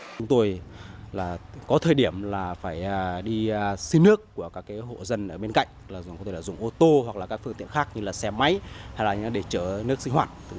chúng tôi có thời điểm là phải đi xin nước của các hộ dân ở bên cạnh dùng ô tô hoặc các phương tiện khác như xe máy để chở nước sinh hoạt